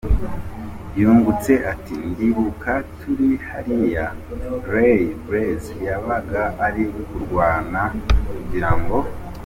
yungutse ati Ndibuka turi hariya, Ray Blaze yabaga ari kurwana kugira ngo.